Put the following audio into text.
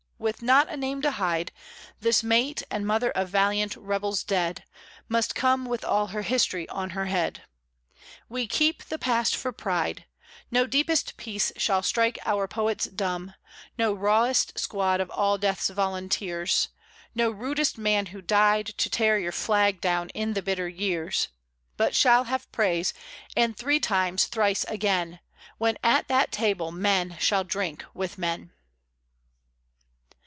With not a name to hide, This mate and mother of valiant "rebels" dead Must come with all her history on her head. We keep the past for pride: No deepest peace shall strike our poets dumb: No rawest squad of all Death's volunteers, No rudest man who died To tear your flag down in the bitter years, But shall have praise, and three times thrice again, When at that table men shall drink with men.